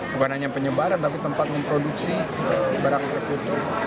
bukan hanya penyebaran tapi tempat memproduksi barang tertutup